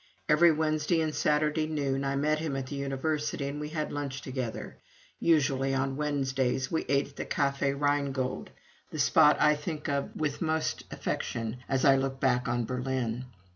Every Wednesday and Saturday noon I met him at the University and we had lunch together. Usually on Wednesdays we ate at the Café Rheingold, the spot I think of with most affection as I look back on Berlin.